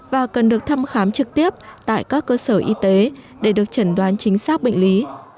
và cần được thăm khám trực tiếp tại các cơ sở y tế để được chẩn đoán chính xác bệnh lý